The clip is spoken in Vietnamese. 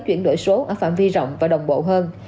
chuyển đổi số ở phạm vi rộng và đồng bộ hơn